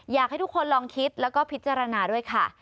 อยากให้ทุกคนลองคิดแล้วก็พิจารณาด้วยค่ะ